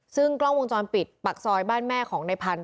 ซึ่งกล้องวงจรปิดปากซอยบ้านแม่ของในพันธ